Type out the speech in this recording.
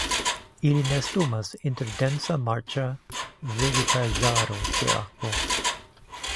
Ili nestumas inter densa marĉa vegetaĵaro ĉe akvo.